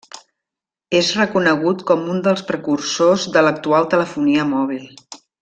És reconegut com un dels precursors de l'actual telefonia mòbil.